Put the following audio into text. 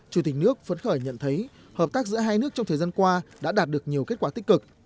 chủ tịch nước phấn khởi nhận thấy hợp tác giữa hai nước trong thời gian qua đã đạt được nhiều kết quả tích cực